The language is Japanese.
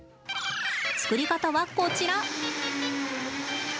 作り方は、こちら！